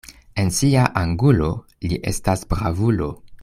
En sia angulo li estas bravulo.